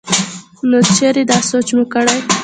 نو چرې دا سوچ مو کړے